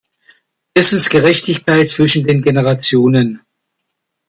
Erstens Gerechtigkeit zwischen den Generationen.